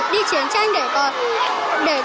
đại tướng võ nguyên giáp